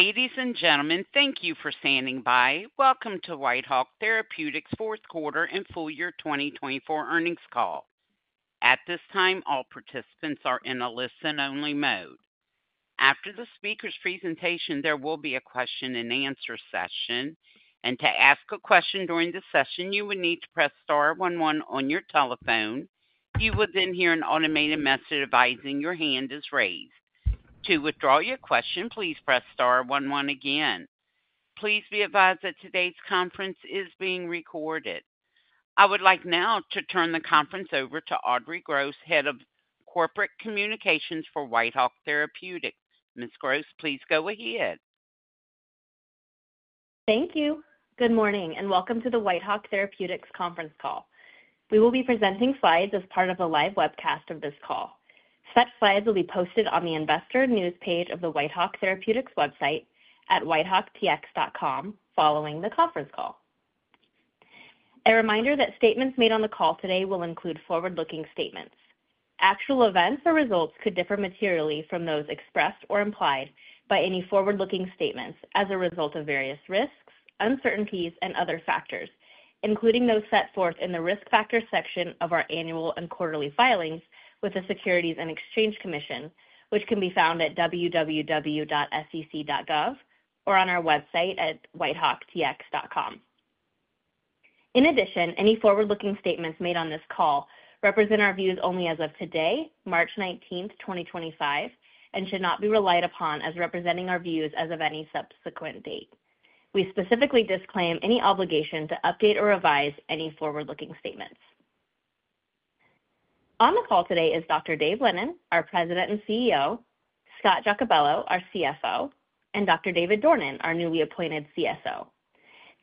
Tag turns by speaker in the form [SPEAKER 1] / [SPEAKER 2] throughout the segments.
[SPEAKER 1] Ladies and gentlemen, thank you for standing by. Welcome to Whitehawk Therapeutics' fourth quarter and full year 2024 earnings call. At this time, all participants are in a listen-only mode. After the speaker's presentation, there will be a question-and-answer session. To ask a question during the session, you will need to press star 1 1 on your telephone. You will then hear an automated message advising your hand is raised. To withdraw your question, please press star 1 1 again. Please be advised that today's conference is being recorded. I would like now to turn the conference over to Audrey Gross, Head of Corporate Communications for Whitehawk Therapeutics. Ms. Gross, please go ahead.
[SPEAKER 2] Thank you. Good morning and welcome to the Whitehawk Therapeutics conference call. We will be presenting slides as part of a live webcast of this call. Such slides will be posted on the investor news page of the Whitehawk Therapeutics website at whitehawktx.com following the conference call. A reminder that statements made on the call today will include forward-looking statements. Actual events or results could differ materially from those expressed or implied by any forward-looking statements as a result of various risks, uncertainties, and other factors, including those set forth in the risk factor section of our annual and quarterly filings with the Securities and Exchange Commission, which can be found at www.sec.gov or on our website at whitehawktx.com. In addition, any forward-looking statements made on this call represent our views only as of today, March 19th, 2025, and should not be relied upon as representing our views as of any subsequent date. We specifically disclaim any obligation to update or revise any forward-looking statements. On the call today is Dr. Dave Lennon, our President and CEO, Scott Giacobello, our CFO, and Dr. David Dornan, our newly appointed CSO.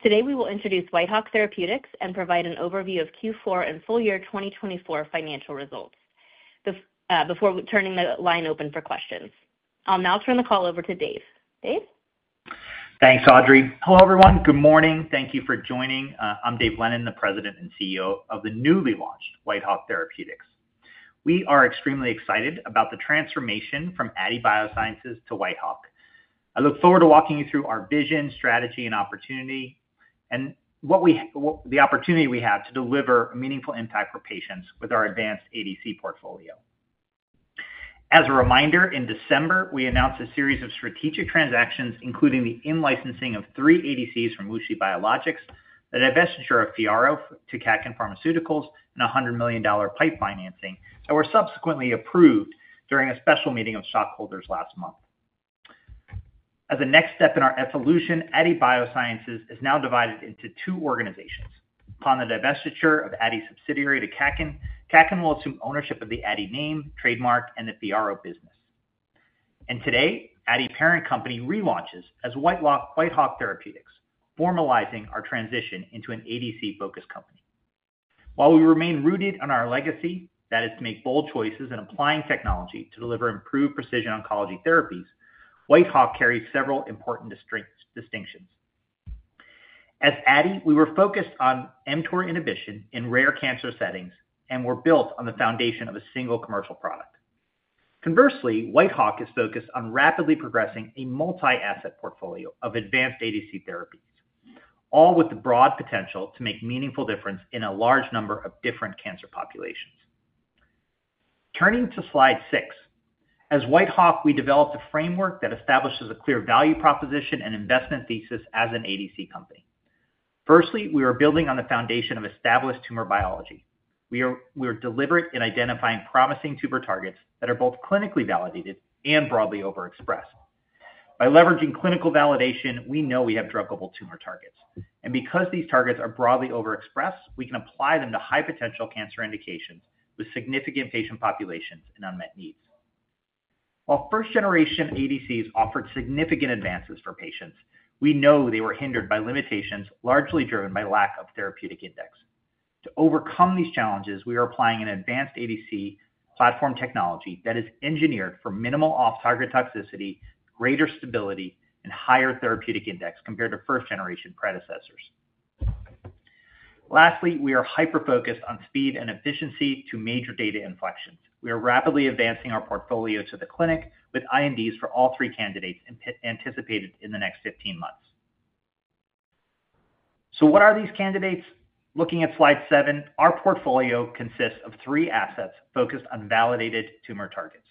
[SPEAKER 2] Today, we will introduce Whitehawk Therapeutics and provide an overview of Q4 and full year 2024 financial results before turning the line open for questions. I'll now turn the call over to Dave. Dave?
[SPEAKER 3] Thanks, Audrey. Hello, everyone. Good morning. Thank you for joining. I'm Dave Lennon, the President and CEO of the newly launched Whitehawk Therapeutics. We are extremely excited about the transformation from Aadi Bioscience to Whitehawk. I look forward to walking you through our vision, strategy, and opportunity, and the opportunity we have to deliver a meaningful impact for patients with our advanced ADC portfolio. As a reminder, in December, we announced a series of strategic transactions, including the in-licensing of three ADCs from WuXi Biologics, the divestiture of FYARRO to Kaken Pharmaceuticals, and a $100 million PIPE financing that were subsequently approved during a special meeting of stockholders last month. As a next step in our evolution, Aadi Bioscience is now divided into two organizations. Upon the divestiture of Aadi's subsidiary to Kaken, Kaken will assume ownership of the Aadi name, trademark, and the FYARRO business. Today, Aadi parent company relaunches as Whitehawk Therapeutics, formalizing our transition into an ADC-focused company. While we remain rooted in our legacy, that is, to make bold choices in applying technology to deliver improved precision oncology therapies, Whitehawk carries several important distinctions. As Aadi, we were focused on mTOR inhibition in rare cancer settings and were built on the foundation of a single commercial product. Conversely, Whitehawk is focused on rapidly progressing a multi-asset portfolio of advanced ADC therapies, all with the broad potential to make a meaningful difference in a large number of different cancer populations. Turning to slide six, as Whitehawk, we developed a framework that establishes a clear value proposition and investment thesis as an ADC company. Firstly, we are building on the foundation of established tumor biology. We are deliberate in identifying promising tumor targets that are both clinically validated and broadly overexpressed. By leveraging clinical validation, we know we have druggable tumor targets. And because these targets are broadly overexpressed, we can apply them to high-potential cancer indications with significant patient populations and unmet needs. While first-generation ADCs offered significant advances for patients, we know they were hindered by limitations largely driven by lack of therapeutic index. To overcome these challenges, we are applying an advanced ADC platform technology that is engineered for minimal off-target toxicity, greater stability, and higher therapeutic index compared to first-generation predecessors. Lastly, we are hyper-focused on speed and efficiency to major data inflections. We are rapidly advancing our portfolio to the clinic with INDs for all three candidates anticipated in the next 15 months. So what are these candidates? Looking at slide seven, our portfolio consists of three assets focused on validated tumor targets.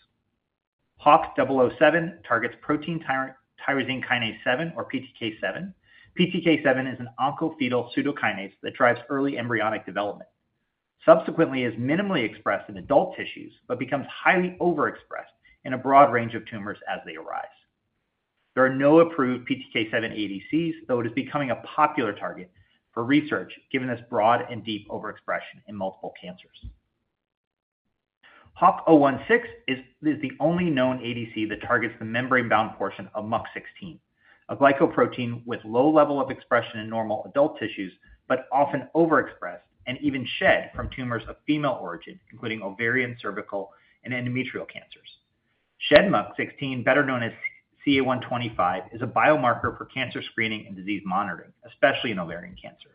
[SPEAKER 3] HWK-007 targets protein tyrosine kinase 7, or PTK7. PTK7 is an oncofetal pseudokinase that drives early embryonic development. Subsequently, it is minimally expressed in adult tissues but becomes highly overexpressed in a broad range of tumors as they arise. There are no approved PTK7 ADCs, though it is becoming a popular target for research given its broad and deep overexpression in multiple cancers. HWK-016 is the only known ADC that targets the membrane-bound portion of MUC16, a glycoprotein with a low level of expression in normal adult tissues but often overexpressed and even shed from tumors of female origin, including ovarian, cervical, and endometrial cancers. Shed MUC16, better known as CA125, is a biomarker for cancer screening and disease monitoring, especially in ovarian cancer.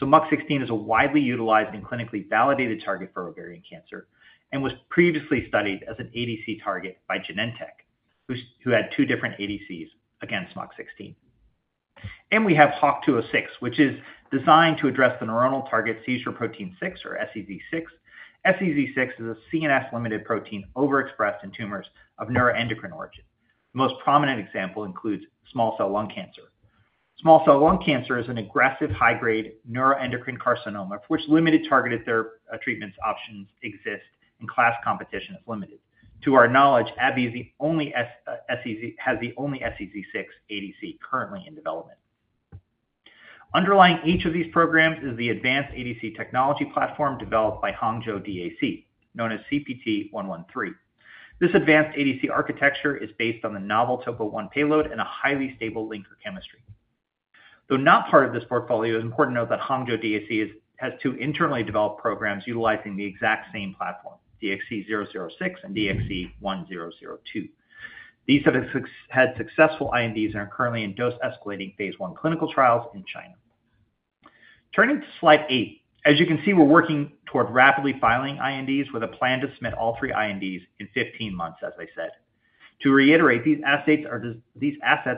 [SPEAKER 3] MUC16 is a widely utilized and clinically validated target for ovarian cancer and was previously studied as an ADC target by Genentech, who had two different ADCs against MUC16. We have HWK-206, which is designed to address the neuronal target seizure protein 6, or SEZ6. SEZ6 is a CNS-limited protein overexpressed in tumors of neuroendocrine origin. The most prominent example includes small cell lung cancer. Small cell lung cancer is an aggressive high-grade neuroendocrine carcinoma for which limited targeted treatment options exist and class competition is limited. To our knowledge, AbbVie is the only SEZ6 ADC currently in development. Underlying each of these programs is the advanced ADC technology platform developed by Hangzhou DAC, known as CPT113. This advanced ADC architecture is based on the novel Topo 1 payload and a highly stable linker chemistry. Though not part of this portfolio, it is important to note that Hangzhou DAC has two internally developed programs utilizing the exact same platform, DXC006 and DXC1002. These have had successful INDs and are currently in dose-escalating phase one clinical trials in China. Turning to slide eight, as you can see, we're working toward rapidly filing INDs with a plan to submit all three INDs in 15 months, as I said. To reiterate, these assets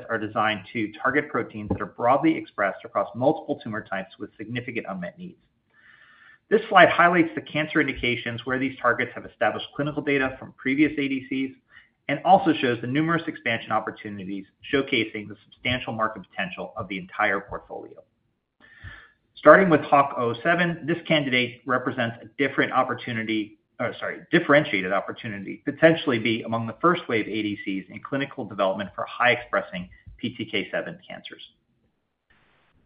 [SPEAKER 3] are designed to target proteins that are broadly expressed across multiple tumor types with significant unmet needs. This slide highlights the cancer indications where these targets have established clinical data from previous ADCs and also shows the numerous expansion opportunities showcasing the substantial market potential of the entire portfolio. Starting with HWK-007, this candidate represents a different opportunity, or sorry, differentiated opportunity to potentially be among the first wave ADCs in clinical development for high-expressing PTK7 cancers.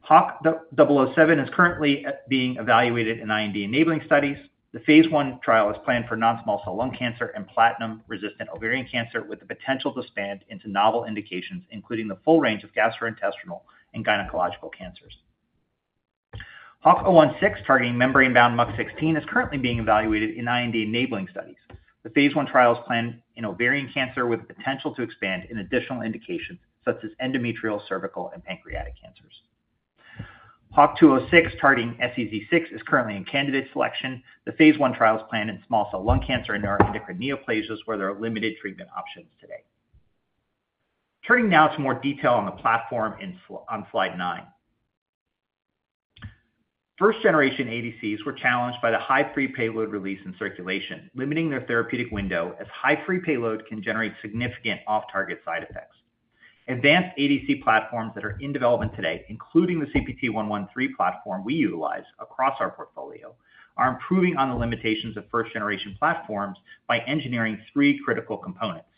[SPEAKER 3] HWK-007 is currently being evaluated in IND enabling studies. The phase one trial is planned for non-small cell lung cancer and platinum-resistant ovarian cancer with the potential to expand into novel indications, including the full range of gastrointestinal and gynecological cancers. HWK-016, targeting membrane-bound MUC16, is currently being evaluated in IND enabling studies. The phase I trial is planned in ovarian cancer with the potential to expand in additional indications such as endometrial, cervical, and pancreatic cancers. HWK-206, targeting SEZ6, is currently in candidate selection. The phase I trial is planned in small cell lung cancer and neuroendocrine neoplasias where there are limited treatment options today. Turning now to more detail on the platform on slide nine, first-generation ADCs were challenged by the high-free payload release in circulation, limiting their therapeutic window as high-free payload can generate significant off-target side effects. Advanced ADC platforms that are in development today, including the CPT113 platform we utilize across our portfolio, are improving on the limitations of first-generation platforms by engineering three critical components.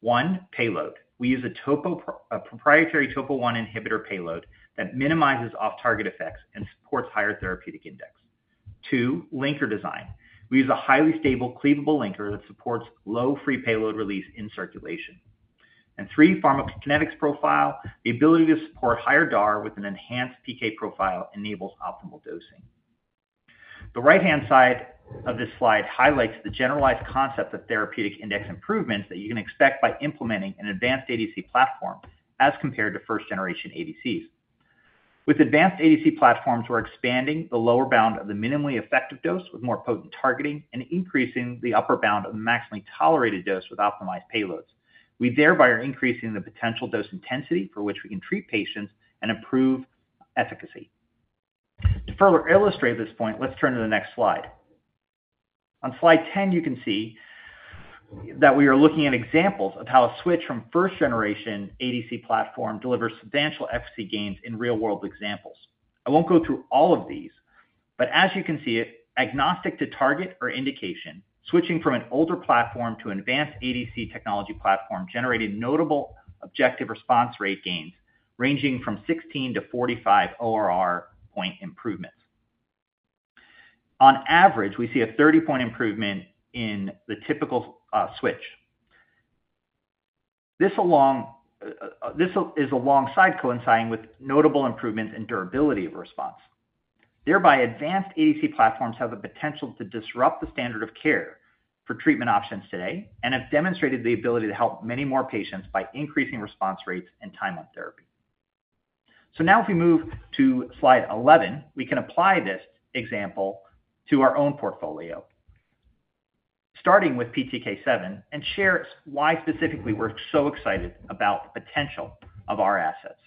[SPEAKER 3] One, payload. We use a proprietary Topo 1 inhibitor payload that minimizes off-target effects and supports higher therapeutic index. Two, linker design. We use a highly stable, cleavable linker that supports low-free payload release in circulation. Three, pharmacokinetics profile. The ability to support higher DAR with an enhanced PK profile enables optimal dosing. The right-hand side of this slide highlights the generalized concept of therapeutic index improvements that you can expect by implementing an advanced ADC platform as compared to first-generation ADCs. With advanced ADC platforms, we're expanding the lower bound of the minimally effective dose with more potent targeting and increasing the upper bound of the maximally tolerated dose with optimized payloads. We thereby are increasing the potential dose intensity for which we can treat patients and improve efficacy. To further illustrate this point, let's turn to the next slide. On slide 10, you can see that we are looking at examples of how a switch from first-generation ADC platform delivers substantial efficacy gains in real-world examples. I won't go through all of these, but as you can see, agnostic to target or indication, switching from an older platform to an advanced ADC technology platform generated notable objective response rate gains ranging from 16-45 ORR point improvements. On average, we see a 30-point improvement in the typical switch. This is alongside coinciding with notable improvements in durability of response. Advanced ADC platforms have the potential to disrupt the standard of care for treatment options today and have demonstrated the ability to help many more patients by increasing response rates and time on therapy. Now, if we move to slide 11, we can apply this example to our own portfolio, starting with PTK7 and share why specifically we're so excited about the potential of our assets.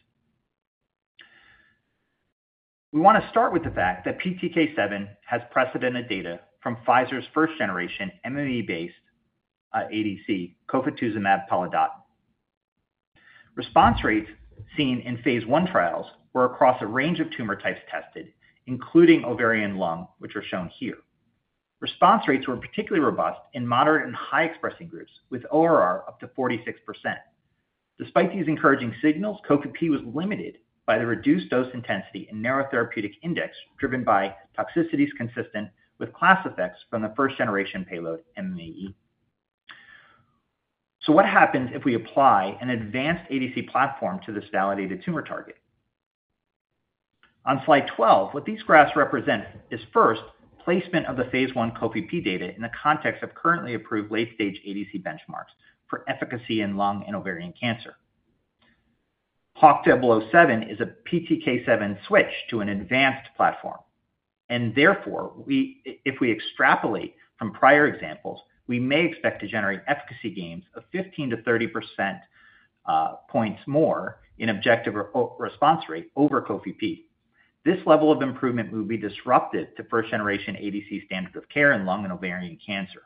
[SPEAKER 3] We want to start with the fact that PTK7 has precedented data from Pfizer's first-generation MMAE-based ADC, cofetuzumab pelidotin. Response rates seen in phase one trials were across a range of tumor types tested, including ovarian, lung, which are shown here. Response rates were particularly robust in moderate and high-expressing groups with ORR up to 46%. Despite these encouraging signals, Cofe-P was limited by the reduced dose intensity and narrow therapeutic index driven by toxicities consistent with class effects from the first-generation payload MMAE. What happens if we apply an advanced ADC platform to this validated tumor target? On slide 12, what these graphs represent is first, placement of the phase one Cofe-P data in the context of currently approved late-stage ADC benchmarks for efficacy in lung and ovarian cancer. HWK-007 is a PTK7 switch to an advanced platform. Therefore, if we extrapolate from prior examples, we may expect to generate efficacy gains of 15-30 percentage points more in objective response rate over Cofe-P. This level of improvement will be disruptive to first-generation ADC standard of care in lung and ovarian cancer.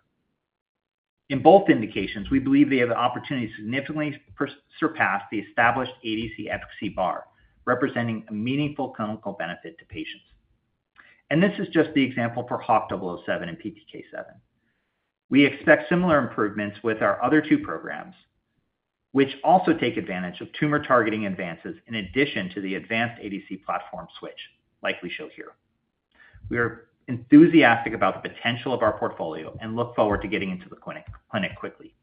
[SPEAKER 3] In both indications, we believe they have the opportunity to significantly surpass the established ADC efficacy bar, representing a meaningful clinical benefit to patients. This is just the example for HWK-007 and PTK7. We expect similar improvements with our other two programs, which also take advantage of tumor targeting advances in addition to the advanced ADC platform switch, like we show here. We are enthusiastic about the potential of our portfolio and look forward to getting into the clinic quickly.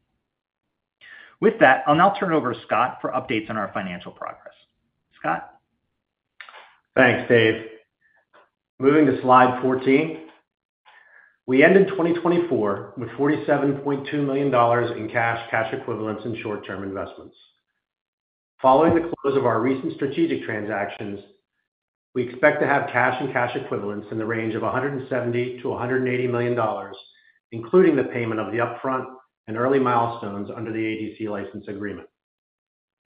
[SPEAKER 3] With that, I'll now turn it over to Scott for updates on our financial progress. Scott.
[SPEAKER 4] Thanks, Dave. Moving to slide 14. We ended 2024 with $47.2 million in cash, cash equivalents, and short-term investments. Following the close of our recent strategic transactions, we expect to have cash and cash equivalents in the range of $170-$180 million, including the payment of the upfront and early milestones under the ADC license agreement.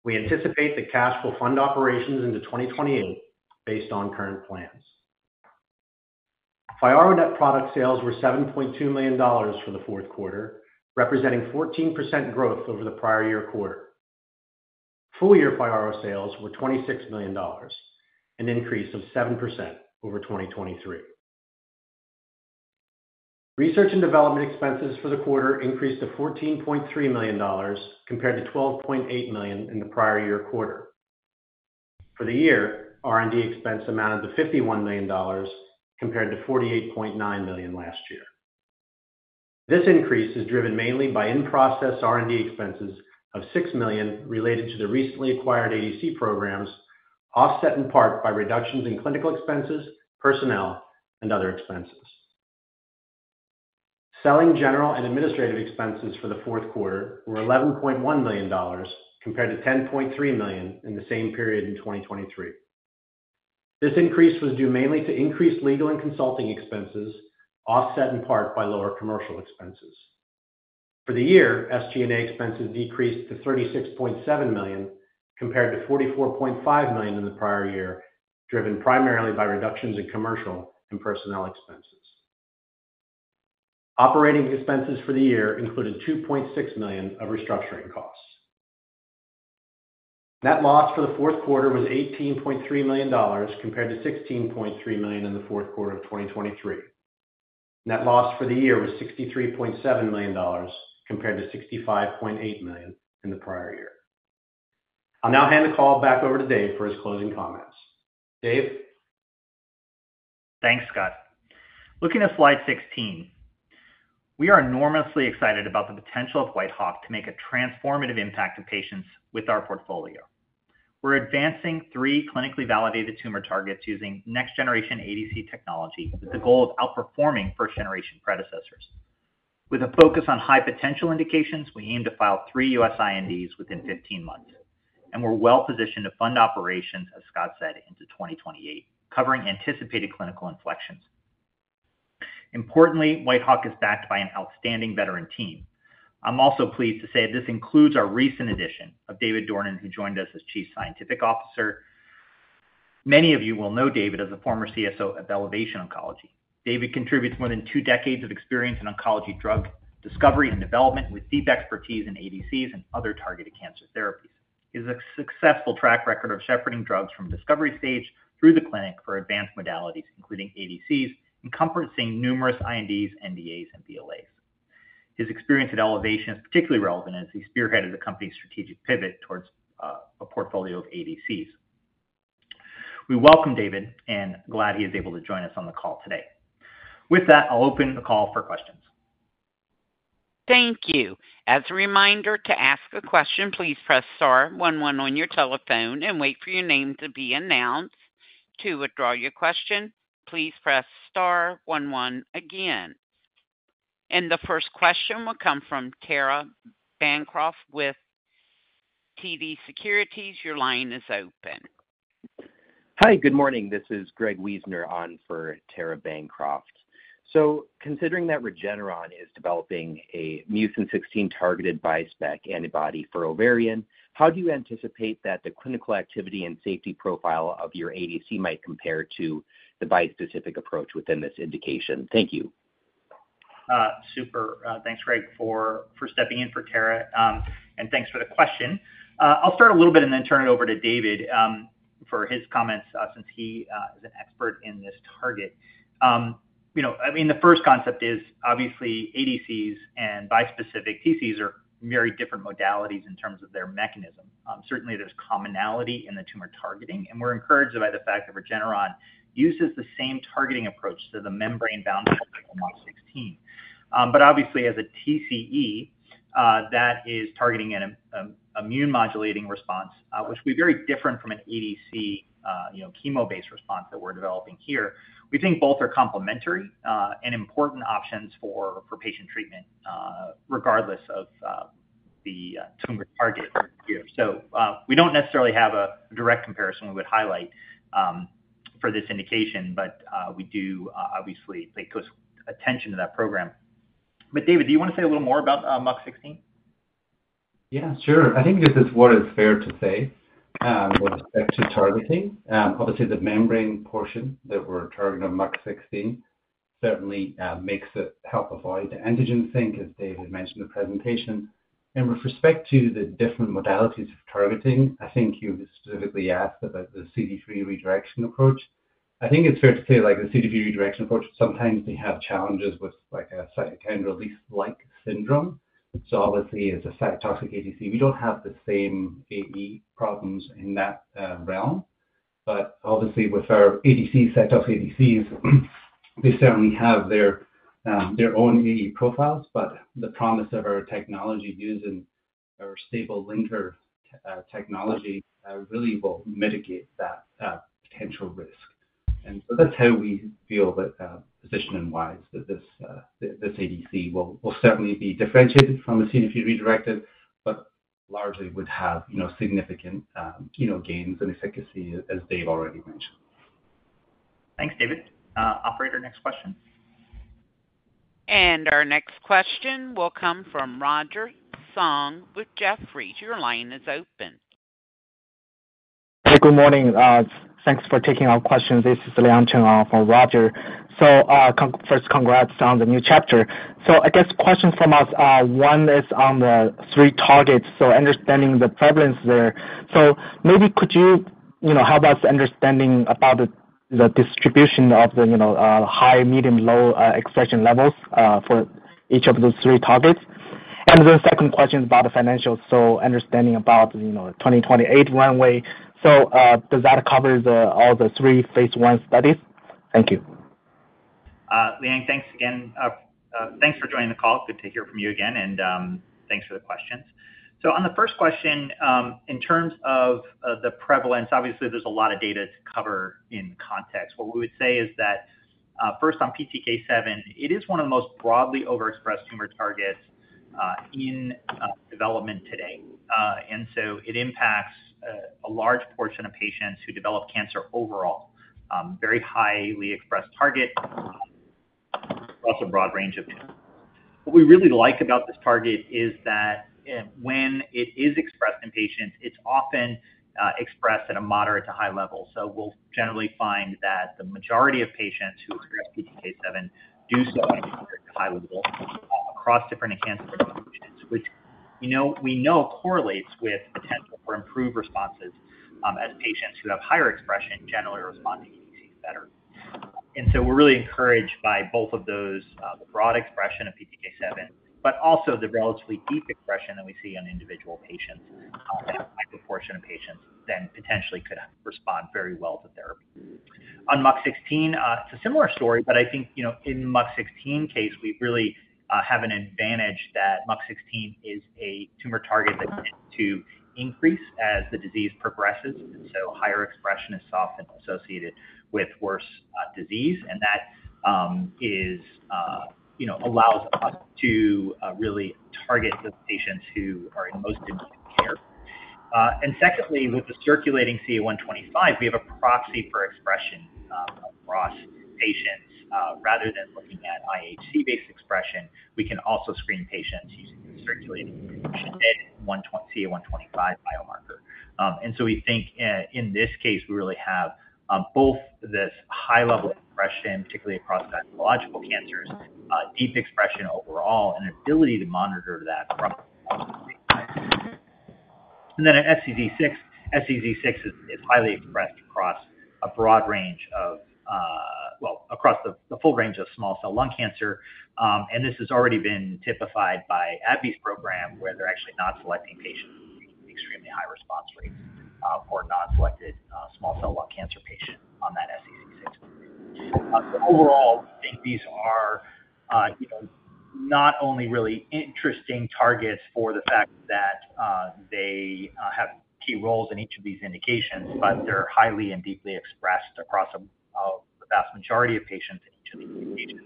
[SPEAKER 4] We anticipate that cash will fund operations into 2028 based on current plans. FYARRO net product sales were $7.2 million for the fourth quarter, representing 14% growth over the prior year quarter. Full-year FYARRO sales were $26 million, an increase of 7% over 2023. Research and development expenses for the quarter increased to $14.3 million compared to $12.8 million in the prior year quarter. For the year, R&D expense amounted to $51 million compared to $48.9 million last year. This increase is driven mainly by in-process R&D expenses of $6 million related to the recently acquired ADC programs, offset in part by reductions in clinical expenses, personnel, and other expenses. Selling general and administrative expenses for the fourth quarter were $11.1 million compared to $10.3 million in the same period in 2023. This increase was due mainly to increased legal and consulting expenses, offset in part by lower commercial expenses. For the year, SG&A expenses decreased to $36.7 million compared to $44.5 million in the prior year, driven primarily by reductions in commercial and personnel expenses. Operating expenses for the year included $2.6 million of restructuring costs. Net loss for the fourth quarter was $18.3 million compared to $16.3 million in the fourth quarter of 2023. Net loss for the year was $63.7 million compared to $65.8 million in the prior year. I'll now hand the call back over to Dave for his closing comments. Dave.
[SPEAKER 3] Thanks, Scott. Looking at slide 16, we are enormously excited about the potential of Whitehawk to make a transformative impact on patients with our portfolio. We're advancing three clinically validated tumor targets using next-generation ADC technology with the goal of outperforming first-generation predecessors. With a focus on high potential indications, we aim to file three US INDs within 15 months. We are well-positioned to fund operations, as Scott said, into 2028, covering anticipated clinical inflections. Importantly, Whitehawk is backed by an outstanding veteran team. I'm also pleased to say this includes our recent addition of David Dornan, who joined us as Chief Scientific Officer. Many of you will know David as a former CSO of Elevation Oncology. David contributes more than two decades of experience in oncology drug discovery and development with deep expertise in ADCs and other targeted cancer therapies. He has a successful track record of shepherding drugs from discovery stage through the clinic for advanced modalities, including ADCs, and conferencing numerous INDs, NDAs, and BLAs. His experience at Elevation is particularly relevant as he spearheaded the company's strategic pivot towards a portfolio of ADCs. We welcome David and are glad he is able to join us on the call today. With that, I'll open the call for questions.
[SPEAKER 1] Thank you. As a reminder, to ask a question, please press star 11 on your telephone and wait for your name to be announced. To withdraw your question, please press star 11 again. The first question will come from Tara Bancroft with TD Securities. Your line is open.
[SPEAKER 5] Hi, good morning. This is Greg Wiessner on for Tara Bancroft. Considering that Regeneron is developing a MUC16-targeted bispecific antibody for ovarian, how do you anticipate that the clinical activity and safety profile of your ADC might compare to the bispecific approach within this indication? Thank you.
[SPEAKER 3] Super. Thanks, Greg, for stepping in for Tara. Thanks for the question. I'll start a little bit and then turn it over to David for his comments since he is an expert in this target. I mean, the first concept is obviously ADCs and bispecific TCEs are very different modalities in terms of their mechanism. Certainly, there's commonality in the tumor targeting. We're encouraged by the fact that Regeneron uses the same targeting approach to the membrane-bound MUC16. Obviously, as a TCE, that is targeting an immune-modulating response, which will be very different from an ADC chemo-based response that we're developing here. We think both are complementary and important options for patient treatment regardless of the tumor target here. We do not necessarily have a direct comparison we would highlight for this indication, but we do obviously pay close attention to that program. David, do you want to say a little more about MUC16?
[SPEAKER 6] Yeah, sure. I think this is what is fair to say with respect to targeting. Obviously, the membrane portion that we're targeting on MUC16 certainly makes it help avoid the antigen sink, as David mentioned in the presentation. With respect to the different modalities of targeting, I think you specifically asked about the CD3 redirection approach. I think it's fair to say the CD3 redirection approach, sometimes we have challenges with a cytokine release-like syndrome. Obviously, as a cytotoxic ADC, we don't have the same AE problems in that realm. Obviously, with our ADC, cytotoxic ADCs, they certainly have their own AE profiles. The promise of our technology using our stable linker technology really will mitigate that potential risk. That is how we feel that position and why this ADC will certainly be differentiated from a CD3 redirected, but largely would have significant chemo gains and efficacy, as Dave already mentioned.
[SPEAKER 3] Thanks, David. Offer your next question.
[SPEAKER 1] Our next question will come from Roger Song with Jefferies. Your line is open.
[SPEAKER 7] Hey, good morning. Thanks for taking our questions. This is Liang Cheng on for Roger. First, congrats on the new chapter. I guess questions from us, one is on the three targets. Understanding the prevalence there, could you help us understanding about the distribution of the high, medium, low expression levels for each of those three targets? The second question is about the financials. Understanding about the 2028 runway, does that cover all the three phase one studies? Thank you.
[SPEAKER 3] Liang, thanks again. Thanks for joining the call. Good to hear from you again. Thanks for the questions. On the first question, in terms of the prevalence, obviously, there is a lot of data to cover in context. What we would say is that first, on PTK7, it is one of the most broadly overexpressed tumor targets in development today. It impacts a large portion of patients who develop cancer overall. Very highly expressed target across a broad range of tumors. What we really like about this target is that when it is expressed in patients, it's often expressed at a moderate to high level. We generally find that the majority of patients who experience PTK7 do so at a moderate to high level across different enhancement modulations, which we know correlates with potential for improved responses as patients who have higher expression generally respond to ADCs better. We are really encouraged by both of those, the broad expression of PTK7, but also the relatively deep expression that we see in individual patients that have a high proportion of patients that potentially could respond very well to therapy. On MUC16, it's a similar story, but I think in MUC16 case, we really have an advantage that MUC16 is a tumor target that tends to increase as the disease progresses. Higher expression is often associated with worse disease. That allows us to really target the patients who are in most immediate care. Secondly, with the circulating CA125, we have a proxy for expression across patients. Rather than looking at IHC-based expression, we can also screen patients using the circulating CA125 biomarker. We think in this case, we really have both this high-level expression, particularly across gynecological cancers, deep expression overall, and ability to monitor that. At SEZ6, SEZ6 is highly expressed across a broad range of, well, across the full range of small cell lung cancer. This has already been typified by AbbVie's program, where they're actually not selecting patients with extremely high response rates for non-selected small cell lung cancer patients on that SEZ6. Overall, we think these are not only really interesting targets for the fact that they have key roles in each of these indications, but they are highly and deeply expressed across the vast majority of patients in each of these indications.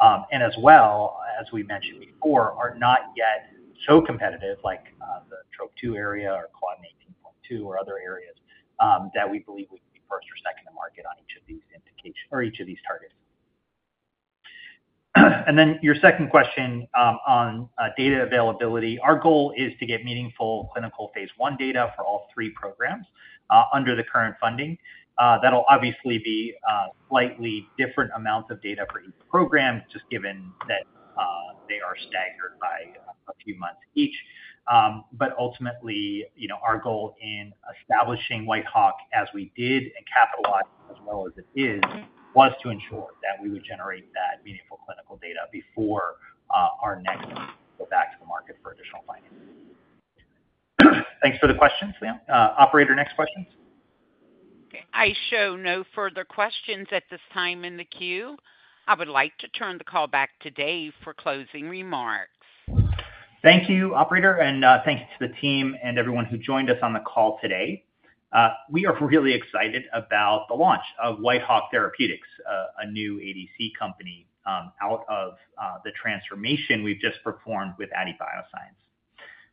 [SPEAKER 3] As well, as we mentioned before, they are not yet so competitive like the TROP2 area or Claudin 18.2 or other areas that we believe we could be first or second to market on each of these indications or each of these targets. Your second question on data availability, our goal is to get meaningful clinical phase one data for all three programs under the current funding. That will obviously be slightly different amounts of data for each program, just given that they are staggered by a few months each. Ultimately, our goal in establishing Whitehawk, as we did and capitalized as well as it is, was to ensure that we would generate that meaningful clinical data before our next go back to the market for additional financing. Thanks for the questions, Liang. Operator, next questions?
[SPEAKER 1] I show no further questions at this time in the queue. I would like to turn the call back to Dave for closing remarks.
[SPEAKER 3] Thank you, Operator. Thanks to the team and everyone who joined us on the call today. We are really excited about the launch of Whitehawk Therapeutics, a new ADC company out of the transformation we have just performed with Aadi Bioscience.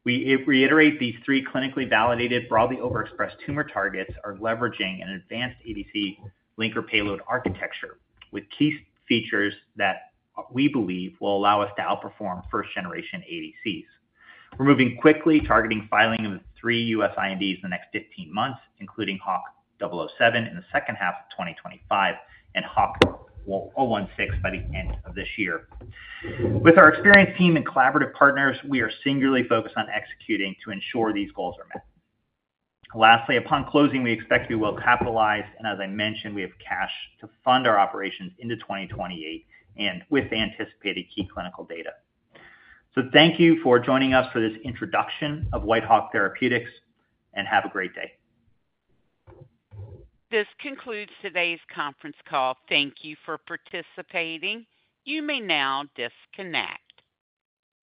[SPEAKER 3] We reiterate these three clinically validated, broadly overexpressed tumor targets are leveraging an advanced ADC linker payload architecture with key features that we believe will allow us to outperform first-generation ADCs. We're moving quickly, targeting filing of three US INDs in the next 15 months, including HWK-007 in the second half of 2025 and HWK-016 by the end of this year. With our experienced team and collaborative partners, we are singularly focused on executing to ensure these goals are met. Lastly, upon closing, we expect to be well capitalized. As I mentioned, we have cash to fund our operations into 2028 and with anticipated key clinical data. Thank you for joining us for this introduction of Whitehawk Therapeutics. Have a great day.
[SPEAKER 1] This concludes today's conference call. Thank you for participating. You may now disconnect.